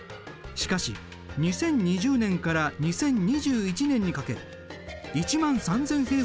しかし２０２０年から２０２１年にかけ１万３，０００